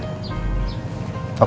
aku juga mau pergi